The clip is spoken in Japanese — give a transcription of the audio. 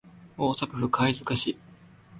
大阪府貝塚市